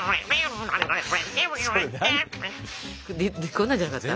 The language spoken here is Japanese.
こんなんじゃなかった？